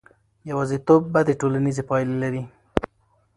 یوازیتوب بدې ټولنیزې پایلې لري.